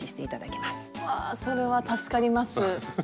わあそれは助かります。